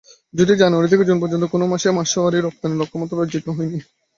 যদিও জানুয়ারি থেকে জুন পর্যন্ত কোনো মাসেই মাসওয়ারি রপ্তানির লক্ষ্যমাত্রা অর্জিত হয়নি।